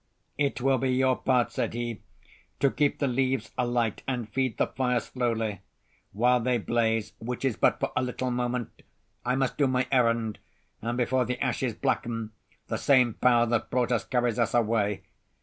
"It will be your part," said he, "to keep the leaves alight, and feed the fire slowly. While they blaze (which is but for a little moment) I must do my errand; and before the ashes blacken, the same power that brought us carries us away.